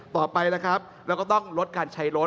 ต่อไปนะครับเราก็ต้องลดการใช้รถ